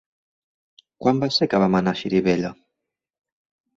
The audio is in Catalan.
Quan va ser que vam anar a Xirivella?